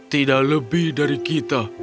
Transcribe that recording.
tidak lebih dari kita